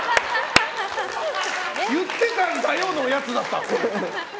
言ってたんだよのやつだった。